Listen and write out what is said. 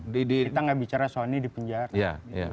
kita tidak bicara soalnya ini di penjara